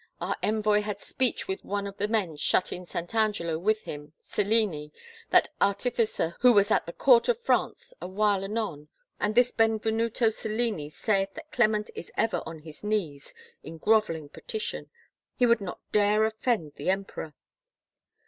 Our envoy had speech with one of the men shut in Saint Angelo with him, Cellini, that artificer who was at the court of France a while anon, and this Benvenuto Cellini saith that Clement is ever on his knees, in groveling petition. ,.. He would not dare offend the emperor."